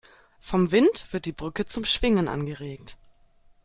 Vom Wind wird die Brücke zum Schwingen angeregt.